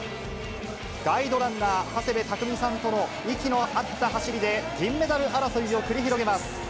ガイドランナー、長谷部匠さんとの息の合った走りで銀メダル争いを繰り広げます。